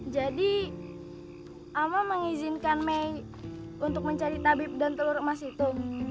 jadi ama mengizinkan mei untuk mencari tabib dan telur emas itu